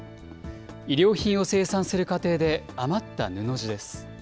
衣料品を生産する過程で余った布地です。